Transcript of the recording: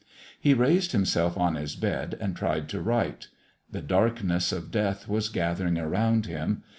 He raised himself on his bed, and tried to write. The darkness of death was gathering around him.